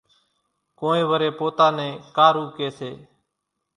ڪونئين وريَ پوتا نين ڪارُو ڪيَ سي۔